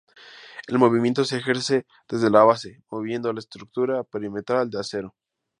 El movimiento se ejerce desde la base, moviendo la estructura perimetral de acero.